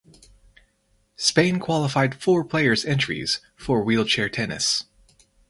Spain qualified four players entries for wheelchair tennis.